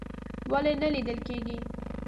ولې نه لیدل کیږي؟